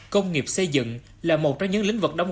công nghiệp xây dựng là một trong những lĩnh vực đối với các ngành